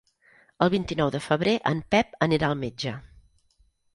El vint-i-nou de febrer en Pep anirà al metge.